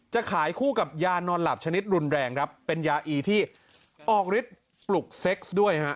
จะขายคู่กับยานอนหลับชนิดรุนแรงครับเป็นยาอีที่ออกฤทธิ์ปลุกเซ็กซ์ด้วยฮะ